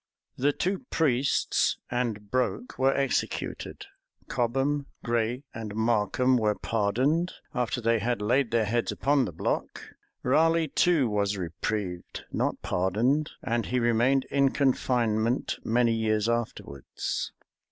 The two priests[*] and Broke[] were executed: Cobham, Grey, and Markham were pardoned,[] after they had laid their heads upon the block.[] Raleigh too was reprieved, not pardoned; and he remained in confinement many years afterwards.